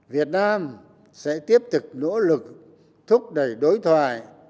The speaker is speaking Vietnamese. việt nam sẽ tiếp tục nỗ lực thúc đẩy đối thoại